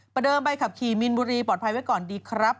เดิมใบขับขี่มีนบุรีปลอดภัยไว้ก่อนดีครับ